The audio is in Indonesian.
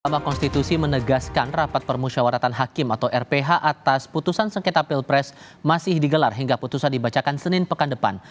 mahkamah konstitusi menegaskan rapat permusyawaratan hakim atau rph atas putusan sengketa pilpres masih digelar hingga putusan dibacakan senin pekan depan